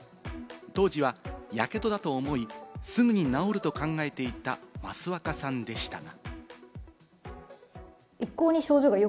当時はやけどだと思い、すぐに治ると考えていた益若さんでしたが。